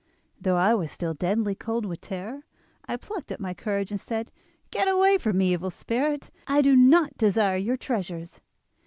"Though I was still deadly cold with terror I plucked up my courage and said: 'Get away from me, evil spirit; I do not desire your treasures.